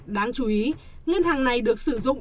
đáng chú ý ngân hàng này được sử dụng